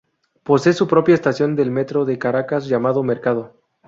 Posee su propia estación del Metro de Caracas llamada Mercado.